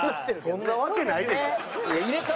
そんなわけないでしょ！